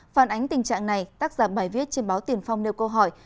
phản ánh tình trạng này tác giả bài viết trên báo tiền phong nêu câu hỏi